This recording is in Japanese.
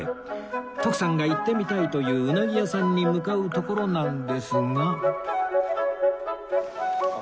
徳さんが行ってみたいといううなぎ屋さんに向かうところなんですが